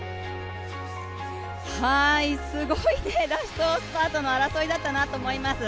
すごいラストスパートの争いだったなと思います。